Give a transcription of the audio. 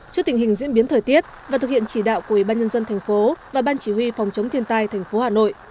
trước tình hình diễn biến thời tiết và thực hiện chỉ đạo của ủy ban nhân dân thành phố và ban chỉ huy phòng chống thiên tai thành phố hà nội